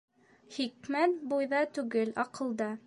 Хикмәт буйҙа түгел, аҡылда.